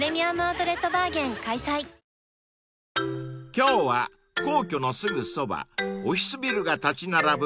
［今日は皇居のすぐそばオフィスビルが立ち並ぶ